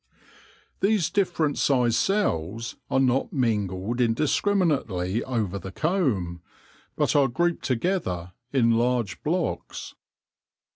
These differ ent sized cells are not mingled indiscriminately over the comb, but are grouped together in large blocks.